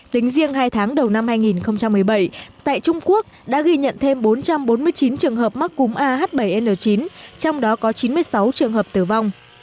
tính riêng hai tháng đầu năm hai nghìn một mươi bảy tại trung quốc đã ghi nhận thêm bốn trăm bốn mươi chín trường hợp mắc cúm ah bảy n chín trong đó có chín mươi sáu trường hợp tử vong